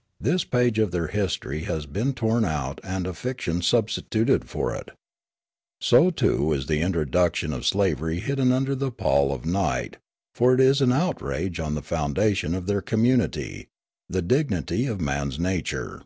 " This page of their history has been torn out and a fiction substituted for it. So, too, is the introduction of slavery hidden under the pall of night, for it is an outrage on the foundation of their community, the dignity of man's nature.